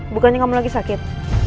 bukannya kamu lagi sakit